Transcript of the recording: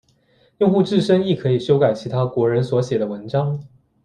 用户自身亦可以修改其他国人所写的文章。